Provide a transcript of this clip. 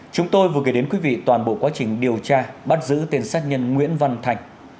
chúng tôi vừa kể đến quý vị toàn bộ quá trình điều tra bắt giữ tên sát nhân nguyễn văn thành